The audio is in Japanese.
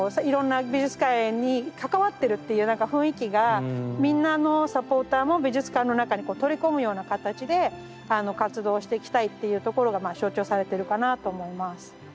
いろんな美術館に関わってるっていう雰囲気がみんなあのサポーターも美術館の中にこう取り込むような形で活動していきたいっていうところがまあ象徴されてるかなと思います。